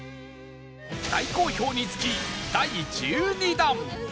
大好評につき第１２弾